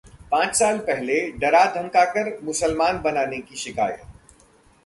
पांच साल पहले डरा धमकाकर मुसलमान बनाने की शिकायत